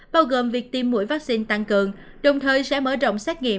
bao gồm việc tiêm mũi vaccine tăng cường đồng thời sẽ mở rộng xét nghiệm